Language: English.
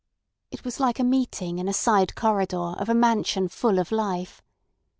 It was like a meeting in a side corridor of a mansion full of life.